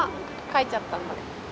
書いちゃったんだ。